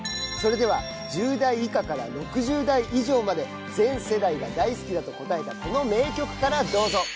［それでは１０代以下から６０代以上まで全世代が大好きだと答えたこの名曲からどうぞ］